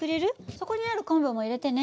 そこにある昆布も入れてね。